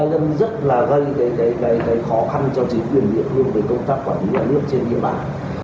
đấy rất là gây cái khó khăn cho chính quyền việt nam công tác quản lý quản lý